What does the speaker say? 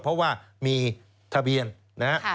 เพราะว่ามีทะเบียนนะครับ